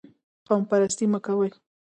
قوم پرستي مه کوئ